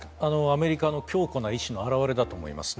アメリカの強固な意志の表れだと思います。